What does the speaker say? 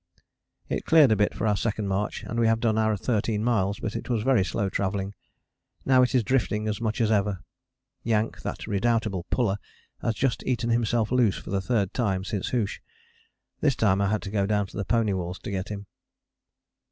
It cleared a bit for our second march, and we have done our 13 miles, but it was very slow travelling. Now it is drifting as much as ever. Yank, that redoubtable puller, has just eaten himself loose for the third time since hoosh. This time I had to go down to the pony walls to get him.